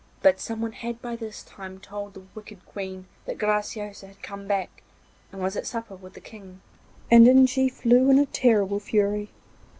But someone had by this time told the wicked Queen that Graciosa had come back, and was at supper with the King, and in she flew in a terrible fury.